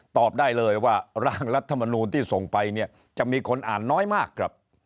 ตอบได้เลยว่าร่างรัฐมนูลที่ส่งไปเนี่ยจะมีคนอ่านน้อยมากครับ